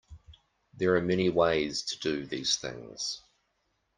There are many ways to do these things.